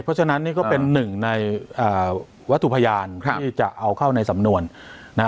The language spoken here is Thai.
เพราะฉะนั้นนี่ก็เป็นหนึ่งในวัตถุพยานที่จะเอาเข้าในสำนวนนะ